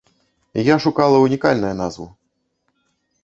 Я шукала унікальнае назву.